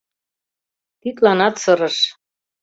Тидланат сырыш.